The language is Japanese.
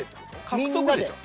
獲得でしょ？